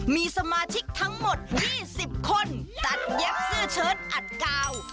มีสมาชิกทั้งหมด๒๐คนตัดเย็บเสื้อเชิดอัดกาว